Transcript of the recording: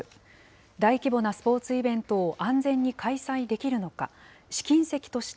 大規模なスポーツイベントを安全に開催できるのか。